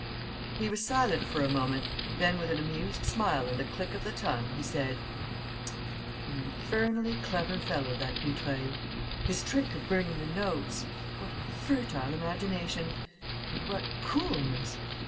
He was silent for a moment; then, with an amused smile and a click of the tongue, he said: "An infernally clever fellow, that Dutreuil! His trick of burning the notes: what a fertile imagination! And what coolness!